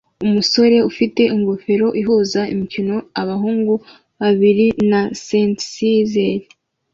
Umusore ufite ingofero ihuza imikino-abahungu babiri na synthesizer